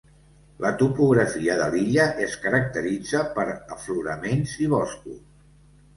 La topografia de l'illa es caracteritza per afloraments i boscos.